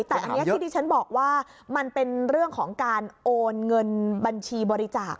แต่อันนี้ที่ที่ฉันบอกว่ามันเป็นเรื่องของการโอนเงินบัญชีบริจาค